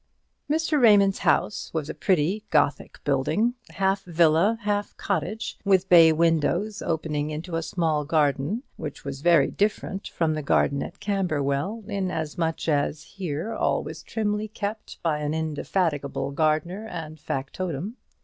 Mr. Raymond's house was a pretty Gothic building, half villa, half cottage, with bay windows opening into a small garden, which was very different from the garden at Camberwell, inasmuch as here all was trimly kept by an indefatigable gardener and factotum.